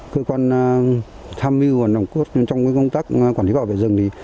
cơ quan tham mưu và nồng cốt trong công tác quản lý bảo vệ rừng